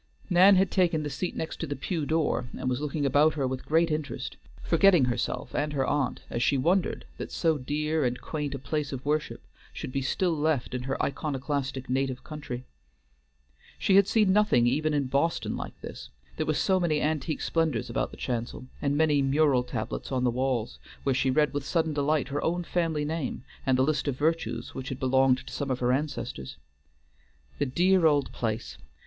Nan had taken the seat next the pew door, and was looking about her with great interest, forgetting herself and her aunt as she wondered that so dear and quaint a place of worship should be still left in her iconoclastic native country. She had seen nothing even in Boston like this, there were so many antique splendors about the chancel, and many mural tablets on the walls, where she read with sudden delight her own family name and the list of virtues which had belonged to some of her ancestors. The dear old place!